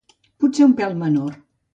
Potser un pèl menor.